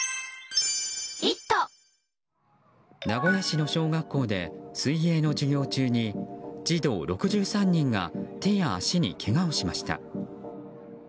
名古屋市の小学校で水泳の授業中に児童６３人が手や足にけがをしました。